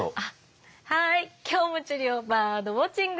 はい！